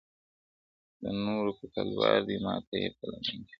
o د نورو که تلوار دئ، ما ته ئې په لمن کي راکه!